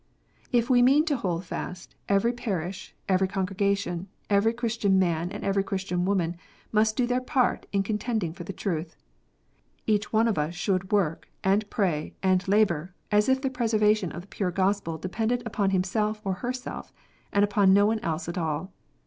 If we mean to "hold fast," every parish, every congrega tion, every Christian man, and every Christian woman, must do their part in contending for the truth. Each one of us should work, and pray, and labour as if the preservation of the pure Gospel depended upon himself or herself, and upon no one else at all.